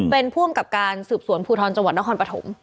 เป็นผู้อำกับการสืบสวนภูทรจังหวัดนครปฐม